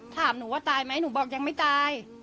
เห็นไหมหนูบอกยังไม่ตาย